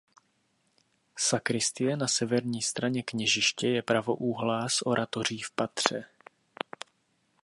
Sakristie na severní straně kněžiště je pravoúhlá s oratoří v patře.